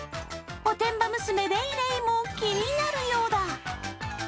おてんば娘、レイレイも気になるようだ